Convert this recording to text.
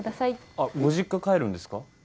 あっご実家帰るんですか？